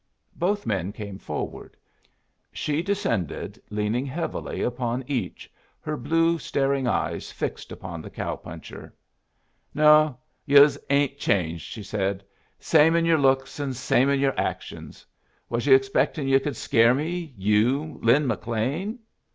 Both men came forward. She descended, leaning heavily upon each, her blue staring eyes fixed upon the cow puncher. "No, yus ain't changed," she said. "Same in your looks and same in your actions. Was you expecting you could scare me, you, Lin McLean?"